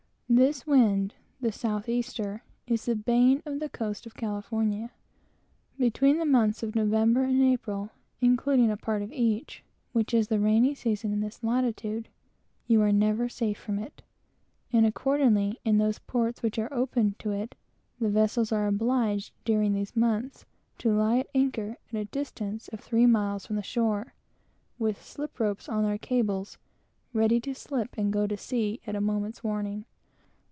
This wind (the south easter) is the bane of the coast of California. Between the months of November and April, (including a part of each,) which is the rainy season in this latitude, you are never safe from it, and accordingly, in the ports which are open to it, vessels are obliged, during these months, to lie at anchor at a distance of three miles from the shore, with slip ropes on their cables, ready to slip and go to sea at a moment's warning.